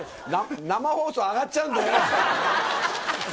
生放送、あがっちゃうんだよ。